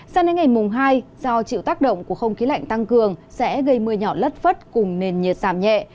sao đến ngày mùng hai do chịu tác động của không khí lạnh tăng cường sẽ gây mưa nhỏ lất phất cùng nền nhiệt giảm nhẹ